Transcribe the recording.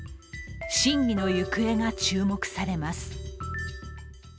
審議の行方が注目されます。